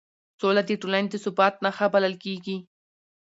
سوله د ټولنې د ثبات نښه بلل کېږي